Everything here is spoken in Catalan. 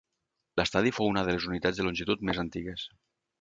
L’estadi fou una de les unitats de longitud més antigues.